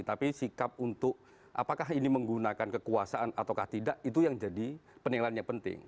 tapi sikap untuk apakah ini menggunakan kekuasaan atau tidak itu yang jadi penilaiannya penting